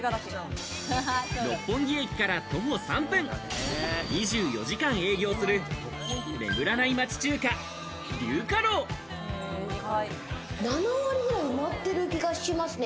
六本木駅から徒歩３分、２４時間営業する７割くらい埋まってる気がしますね。